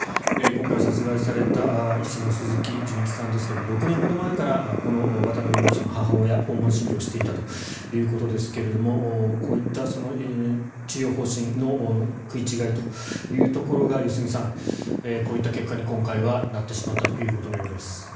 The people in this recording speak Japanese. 今回、殺害された医師の鈴木純一さんですが６年ほど前からこの渡辺容疑者の母親の訪問診療をしていたということですがこういった治療方針の食い違いというところが良純さん、こういった結果に今回はなってしまったということのようです。